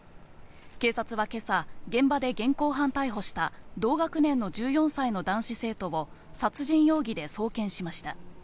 警察は今朝、現場で現行犯逮捕した同学年の１４歳の男子生徒を殺人容疑で送検しました。